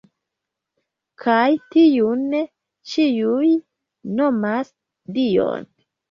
Kaj tiun ĉiuj nomas Dion”.